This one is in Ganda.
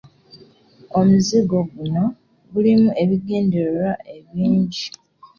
Omuzizo guno gulimu ebigendererwa ebirungi.